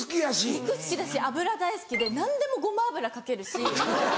肉好きだし油大好きで何でもゴマ油かけるし。